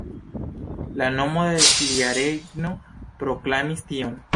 La nomo de lia regno proklamis tion.